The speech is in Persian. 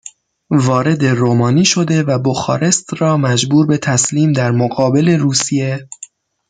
وارد رومانی شده و بخارست را مجبور به تسلیم در مقابل روسیه